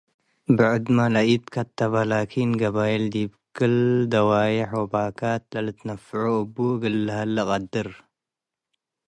ብዕድመ ለኢትከተበ ላኪን ገበይል ዲብ ክል ደዋዬሕ ወበካት ለልትነፍዖ እቡ እግል ልሀሌ ቀድር ።